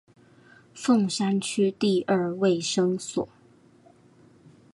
鳳山區第二衛生所